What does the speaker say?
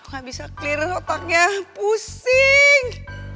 gak bisa clear otaknya pusing